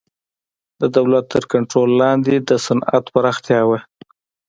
د دولت تر کنټرول لاندې د صنعت پراختیا و.